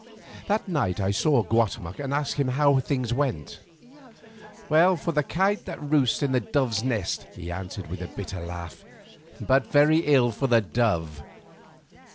That night I saw Guatemoc and asked him how things went. "Well for the kite that roosts in the dove's nest," he answered with a bitter laugh, "but very ill for the dove.